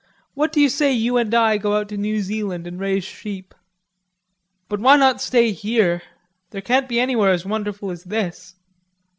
What do you say you and I go out to New Zealand and raise sheep?" "But why not stay here? There can't be anywhere as wonderful as this."